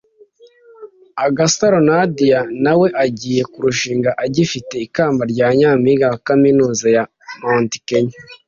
Agasaro Nadia na we agiye kurushinga agifite ikamba rya Nyampinga wa Kaminuza ya Mount Kenya